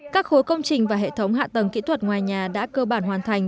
các khối công trình và hệ thống hạ tầng kỹ thuật ngoài nhà đã cơ bản hoàn thành